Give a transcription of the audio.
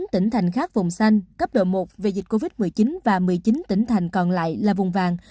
một mươi tỉnh thành khác vùng xanh cấp độ một về dịch covid một mươi chín và một mươi chín tỉnh thành còn lại là vùng vàng